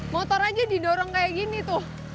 motor aja didorong kayak gini tuh